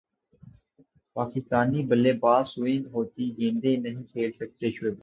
پاکستانی بلے باز سوئنگ ہوتی گیندیں نہیں کھیل سکتے شعیب اختر